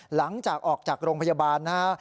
หลังจากออกจากโรงพยาบาลนะฮะ